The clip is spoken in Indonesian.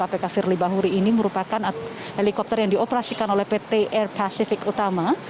kpk firly bahuri ini merupakan helikopter yang dioperasikan oleh pt air pacific utama